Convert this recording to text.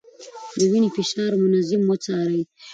د وينې فشار منظم وڅارئ.